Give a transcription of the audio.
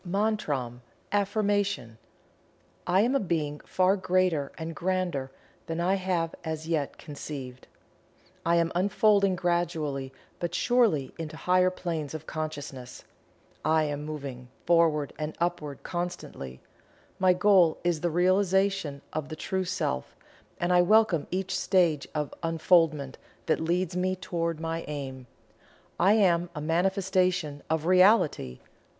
MANTRAM (AFFIRMATION.) I Am a Being far greater and grander than I have as yet conceived. I am unfolding gradually but surely into higher planes of consciousness. I am moving Forward and Upward constantly. My goal is the Realization of the True Self, and I welcome each stage of Unfoldment that leads me toward my aim. I am a manifestation of REALITY.